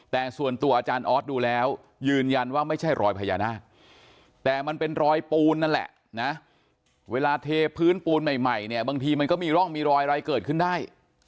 แต่ส่วนตัวอาจารย์ออสดูแล้วยืนยันว่าไม่ใช่รอยพญานาคแต่มันเป็นรอยปูนนั่นแหละนะเวลาเทพื้นปูนใหม่เนี่ยบางทีมันก็มีร่องมีรอยอะไรเกิดขึ้นได้